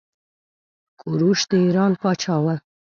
کوروش د ايران پاچا وه.